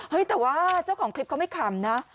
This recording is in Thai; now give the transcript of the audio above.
แต่ว่าเจ้าของคลิปเขาไม่ขำนะ